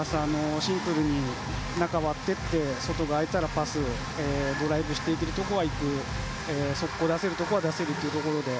シンプルに中を割っていって外があいたらパスドライブしていけるところはいく速攻を出せるところは出せるというところで。